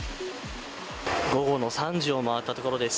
午後の３時を回ったところです。